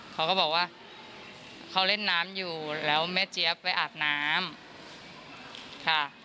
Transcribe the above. เขาก็บอกว่าเขาเล่นน้ำอยู่แล้วแม่เจี๊ยบไปอาบน้ำค่ะ